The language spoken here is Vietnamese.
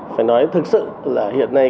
phải nói thực sự là hiện nay